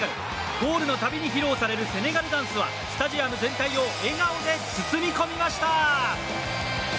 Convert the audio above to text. ゴールの度に披露されるセネガルダンスはスタジアム全体を笑顔で包み込みました。